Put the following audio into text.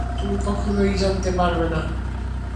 তুমি কখনোই জানতে পারবে না।